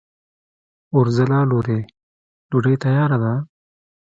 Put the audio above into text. اورځلا لورې! ډوډۍ تیاره ده؟